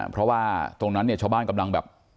เพราะว่าตรงนั้นเนี่ยชาวบ้านกำลังแบบ